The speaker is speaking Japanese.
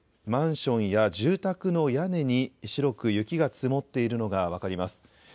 マンションや住宅の屋根に白く雪が積もっているのが分かります。